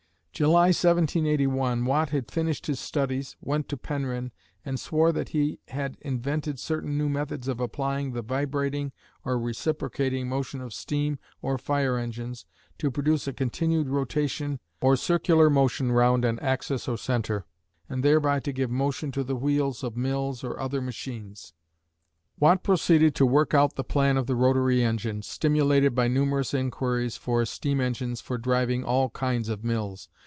July, 1781, Watt had finished his studies, went to Penryn, and swore he had "invented certain new methods of applying the vibrating or reciprocating motion of steam or fire engines to produce a continued rotation or circular motion round an axis or centre, and thereby to give motion to the wheels of mills or other machines." Watt proceeded to work out the plan of the rotary engine, stimulated by numerous inquiries for steam engines for driving all kinds of mills.